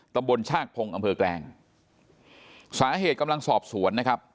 ตำบลชากพงศ์อำเภอแกลงสาเหตุกำลังสอบสวนนะครับ